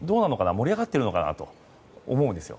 盛り上がってるのかな？と思うんですよ。